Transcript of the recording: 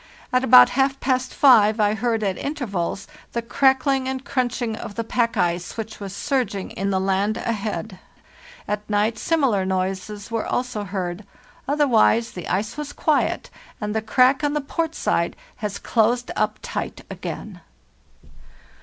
At about half past five I heard at intervals the crack ling and crunching of the pack ice which was surging in the lane ahead. At night similar noises were also heard ; otherwise the ice was quiet, and the crack on the port side has closed up tight again.